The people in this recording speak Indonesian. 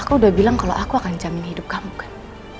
aku udah bilang kalau aku akan jamin hidup kamu kan